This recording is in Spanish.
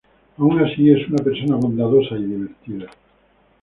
Aun así es una persona bondadosa y divertida.